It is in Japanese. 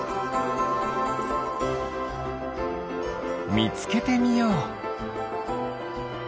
みつけてみよう。